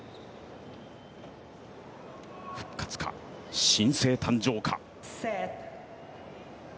復活か、新星誕生か。